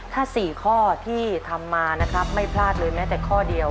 ถ้า๔ข้อที่ทำมานะครับไม่พลาดเลยแม้แต่ข้อเดียว